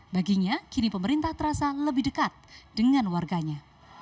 baginya kini pemerintah terasa lebih dekat dengan warganya